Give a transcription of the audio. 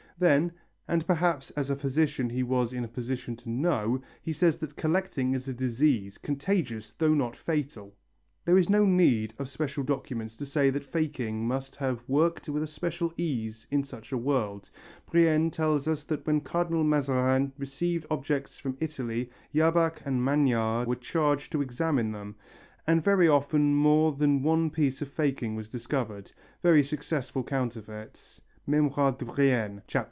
Then, and perhaps as a physician he was in a position to know, he says that collecting is a disease, contagious though not fatal. There is no need of special documents to say that faking must have worked with a certain ease in such a world. Brienne tells us that when Cardinal Mazarin received objects from Italy, Jabach and Magnard were charged to examine them and very often more than one piece of faking was discovered, very successful counterfeits (Memoires de Brienne, Chap.